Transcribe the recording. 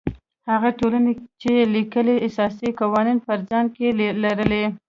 هغه ټولنې چې لیکلي اساسي قوانین په ځان کې لري.